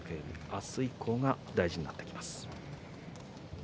明日以降が大事になってきます。